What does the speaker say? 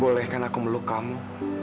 boleh kan aku meluk kamu